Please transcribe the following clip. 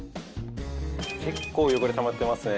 結構汚れたまってますね。